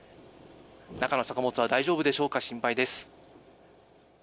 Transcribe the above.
中の作物は大丈夫でしょうか心配です。